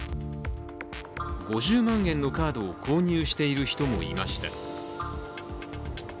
５０万円のカードを購入している人もいました。